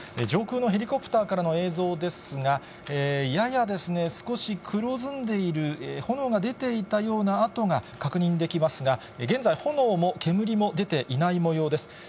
上空のヘリコプターからの映像ですが、ややすこしくろずんでいる炎が出ていたような跡が確認できますが、現在、炎も煙も出ていないもようです。